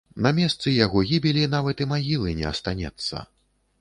На месцы яго гібелі нават і магілы не астанецца.